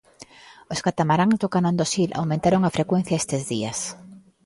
Os catamaráns do canón do Sil aumentaron a frecuencia estes días.